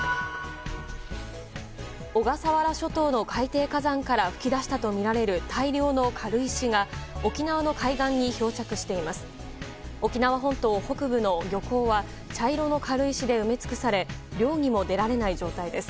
小笠原諸島の海底火山から噴き出したとみられる大量の軽石が沖縄の海岸に漂着しています。